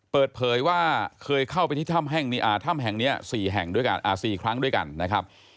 เปิดเผยว่าเคยเข้าไปที่ถ้ำแห่งนี้๔แห่งด้วยกัน๔ครั้งด้วยกันนะครับ